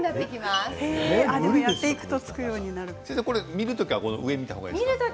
見る時は上を見た方がいいですか？